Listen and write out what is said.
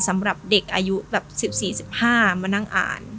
สำหรับเด็กอายุแบบ๑๔๑๕มานั่งอ่าน